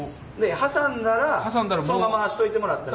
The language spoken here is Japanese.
挟んだらそのまましといてもらったら。